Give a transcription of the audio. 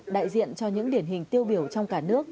đại diện cho những điển hình tiêu biểu trong cả nước